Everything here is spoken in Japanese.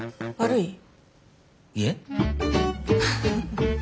いえ。